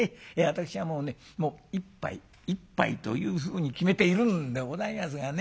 私はもうね一杯一杯というふうに決めているんでございますがね